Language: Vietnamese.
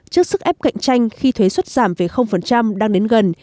trước sức ép cạnh tranh khi thuế xuất giảm về đang đến gần